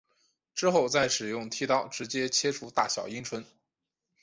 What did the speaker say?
之后再使用剃刀直接切除大小阴唇。